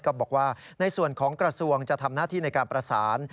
ก็บอกว่าในส่วนของกระทรวงจะทำหน้าที่ในการประสาน